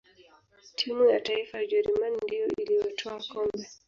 timu ya taifa ya ujerumani ndiyo iliyotwaa kombe